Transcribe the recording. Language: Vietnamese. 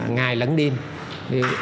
ngày lẫn đêm